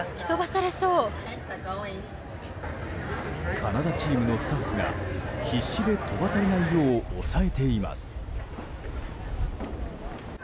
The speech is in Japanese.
カナダチームのスタッフが必死で飛ばされないよう押さえています。